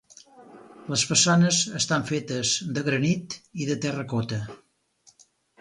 Les façanes estan fetes de granit i de terracota.